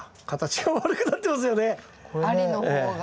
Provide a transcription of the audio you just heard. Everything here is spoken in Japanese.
ありの方が。